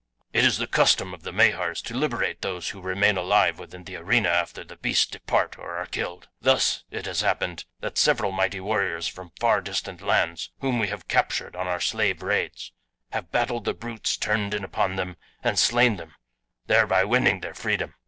"It is the custom of the Mahars to liberate those who remain alive within the arena after the beasts depart or are killed. Thus it has happened that several mighty warriors from far distant lands, whom we have captured on our slave raids, have battled the brutes turned in upon them and slain them, thereby winning their freedom.